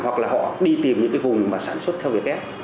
hoặc là họ đi tìm những cái vùng mà sản xuất theo việc grab